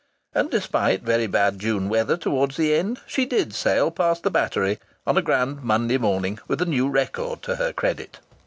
And, despite very bad June weather towards the end, she did sail past the Battery on a grand Monday morning with a new record to her credit.